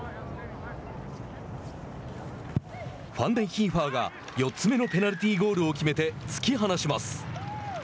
ファンデンヒーファーが４つ目のペナルティーゴールを決めて突き放します。